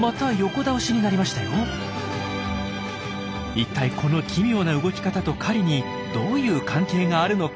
一体この奇妙な動き方と狩りにどういう関係があるのか？